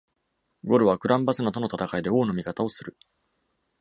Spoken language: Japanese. ゴルはクラン・バスナとの戦いで王の味方をする。